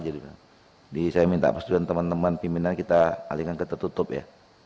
jadi saya minta persetujuan teman teman pimpinan kita alihkan ke tertutup ya